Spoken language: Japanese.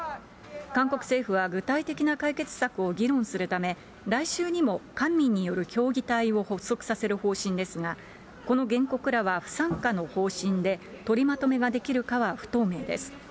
韓国政府は具体的な解決策を議論するため、来週にも官民による協議体を発足させる方針ですが、この原告らは不参加の方針で、取りまとめができるかは不透明です。